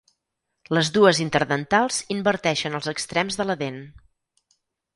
Les dues interdentals inverteixen els extrems de la dent.